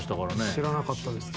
知らなかったです